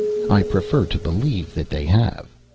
I prefer to believe that they have.